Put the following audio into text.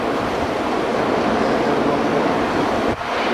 Ɛ́hwɔ̀ndɛ́ ɛ́ rzɔ́ŋɡɔ̂.